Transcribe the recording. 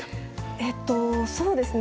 えっとそうですね